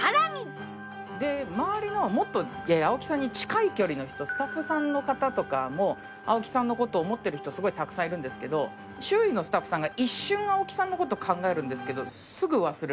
周りのもっと青木さんに近い距離の人スタッフさんの方とかも青木さんのこと思ってる人すごいたくさんいるんですけど周囲のスタッフさんが。